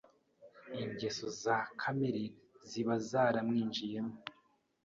ingeso za kamere ziba zaramwinjiyemo